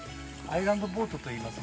アイランドボートと言います。